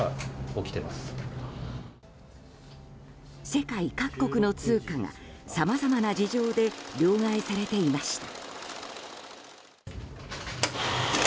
世界各国の通貨がさまざまな事情で両替されていました。